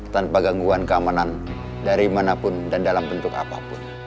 tanpa gangguan keamanan dari manapun dan dalam bentuk apapun